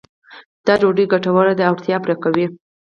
دا ډوډۍ ګټوره ده او اړتیا پوره کوي.